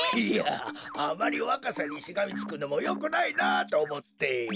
いやあまりわかさにしがみつくのもよくないなっとおもって。